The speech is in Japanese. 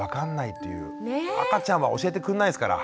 赤ちゃんは教えてくんないですから。